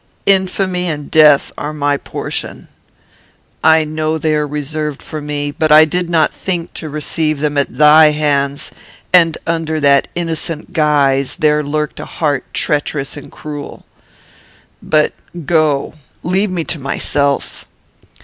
"Infamy and death are my portion. I know they are reserved for me; but I did not think to receive them at thy hands, that under that innocent guise there lurked a heart treacherous and cruel. But go; leave me to myself.